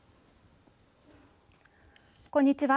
こんにちは。